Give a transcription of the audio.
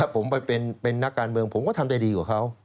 ผมไปเป็นนักการเมืองผมก็ทำใจดีกว่าเขา